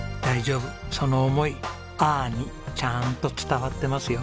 その思いあーにちゃんと伝わってますよ。